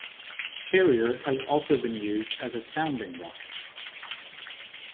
Terrier has also been used as a sounding rocket.